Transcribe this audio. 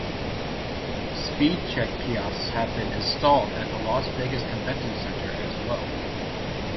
SpeedCheck kiosks have been installed at the Las Vegas Convention Center as well.